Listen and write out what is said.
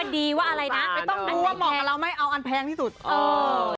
ดีแน่นอน๑๐๐